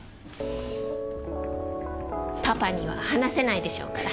パパには話せないでしょうから。